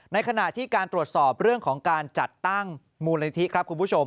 ในขณะที่การตรวจสอบเรื่องของการจัดตั้งมูลนิธิครับคุณผู้ชม